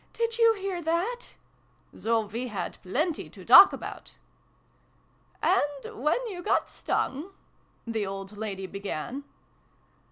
" Did you hear that ?") "so we had plenty to talk about !"" And when you got stung " the old lady began.